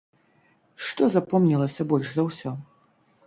Што запомнілася больш за ўсё?